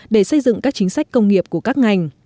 để xây dựng các chính sách công nghiệp của các ngành